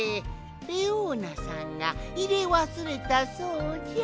レオーナさんがいれわすれたそうじゃ。